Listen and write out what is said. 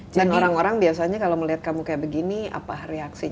dan orang orang biasanya kalau melihat kamu kayak begini apa reaksinya